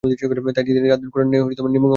তাই তিনি রাতদিন কুরআনে নিমগ্ন হয়ে পড়লেন।